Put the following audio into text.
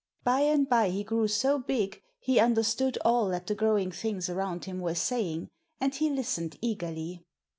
By and by he grew so big he understood all that the growing things around him were saying, and he listened eagerly.